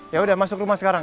yaudah masuk rumah sekarang